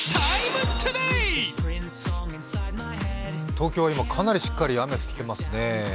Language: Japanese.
東京は今、かなりしっかり雨降っていますね。